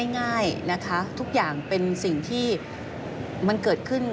ง่ายนะคะทุกอย่างเป็นสิ่งที่มันเกิดขึ้น